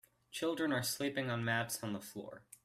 Children are sleeping on mats on the floor.